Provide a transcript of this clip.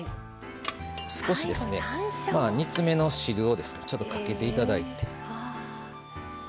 少し煮詰めの汁をかけていただいて。